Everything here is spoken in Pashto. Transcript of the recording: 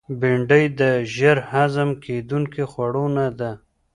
بېنډۍ د ژر هضم کېدونکو خوړو نه ده